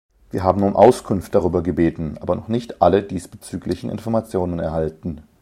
Wir haben um Auskunft darüber gebeten, aber noch nicht alle diesbezüglichen Informationen erhalten.